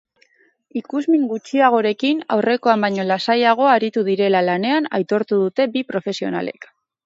Ikusmin gutxiagorekin, aurrekoan baino lasaiago aritu direla lanean aitortu dute bi profesionalek.